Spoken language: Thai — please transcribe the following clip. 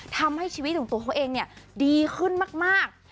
ทำให้ชีวิตของตัวเขาเองดีขึ้นมาก